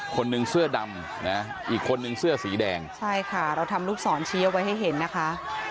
คนนึงเสื้อดำอีกคนนึงเสื้อสีแดงใช่ค่ะเราทำรูปสอนเชียวไว้ให้เห็นนะคะ